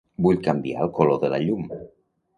Vull canviar el color de la llum.